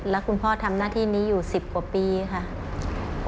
แล้วคุณพ่อทำหน้าที่นี้อยู่๑๐กว่าปีค่ะ